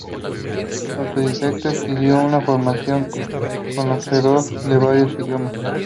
Autodidacta, adquirió una formación, conocedor de varios idiomas.